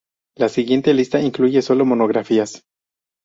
La siguiente lista incluye sólo monografías.